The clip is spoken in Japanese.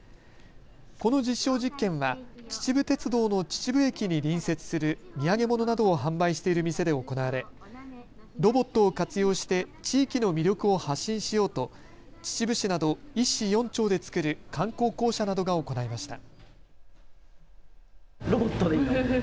この実証実験は秩父鉄道の秩父駅に隣接する土産物などを販売している店で行われロボットを活用して地域の魅力を発信しようと秩父市など１市４町で作る観光公社などが行いました。